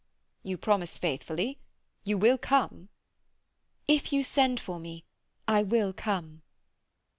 "You promise faithfully? You will come?" "If you send for me I will come."